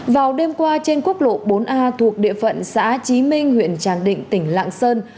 vào đêm qua trên quốc lộ bốn a thuộc địa phận xã trí minh huyện tràng định tỉnh lạng sơn